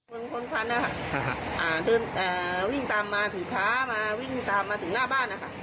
มึงคนพันธุ์นะฮะอ่าเดินอ่าวิ่งตามมาถึงพระมาวิ่งตามมาถึงหน้าบ้านนะฮะ